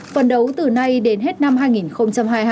phần đấu từ nay đến hết năm hai nghìn hai mươi hai